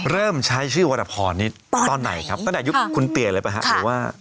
เริ่มใช้ชื่อวอรพรนี่ตอนนี้ตอนไหนครับตอนยุคคุณเตี๋ยวหมดเลยเป่ะครับ